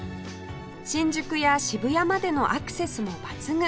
新宿や渋谷までのアクセスも抜群